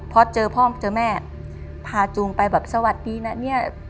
พอเจอพ่อเจอแม่พาจูงไปแบบสวัสดีนะเนี่ย